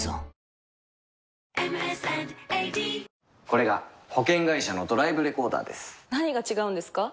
これが保険会社のドライブレコーダーです何が違うんですか？